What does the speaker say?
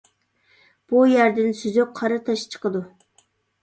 بۇ يەردىن سۈزۈك قارا تاش چىقىدۇ.